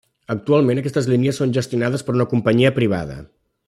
Actualment aquestes línies són gestionades per una companyia privada.